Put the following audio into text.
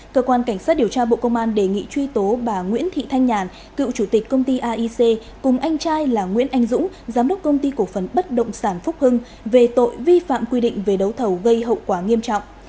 cơ quan cảnh sát điều tra bộ công an đề nghị truy tố bà nguyễn thị thanh nhàn cựu chủ tịch công ty aic cùng anh trai là nguyễn anh dũng giám đốc công ty cổ phần bất động sản phúc hưng về tội vi phạm quy định về đấu thầu gây hậu quả nghiêm trọng